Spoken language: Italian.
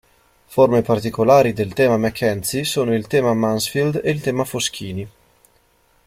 Forme particolari del tema Mackenzie sono il tema Mansfield e il tema Foschini.